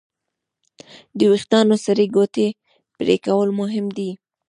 د وېښتیانو سرې ګوتې پرېکول مهم دي.